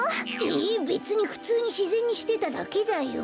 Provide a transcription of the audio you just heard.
えべつにふつうにしぜんにしてただけだよ。